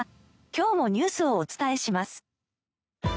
今日のニュースをお伝えします。